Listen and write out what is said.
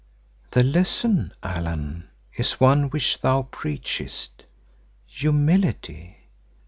"The Lesson, Allan, is one which thou preachest—humility.